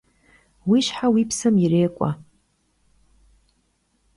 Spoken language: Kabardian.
Vuişhe vuipsem yirêk'ue!